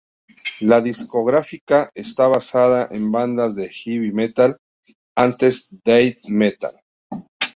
La discográfica está basada en bandas de heavy metal, antes death metal.